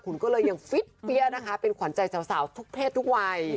คุณก็เลยยังฟิตเปี้ยนะคะเป็นขวัญใจสาวทุกเพศทุกวัย